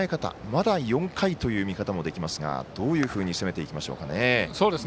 まだ４回という見方もできますがどういうふうに攻めていきましょうかね。